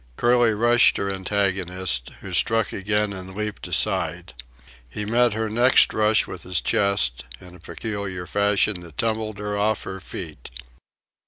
Curly rushed her antagonist, who struck again and leaped aside. He met her next rush with his chest, in a peculiar fashion that tumbled her off her feet.